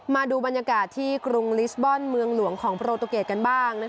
มาดูบรรยากาศที่กรุงลิสบอลเมืองหลวงของโปรตูเกตกันบ้าง